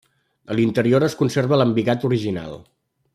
A l'interior es conserva l'embigat original.